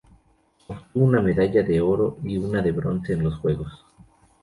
Obtuvo una medalla de oro y una de bronce en los juegos.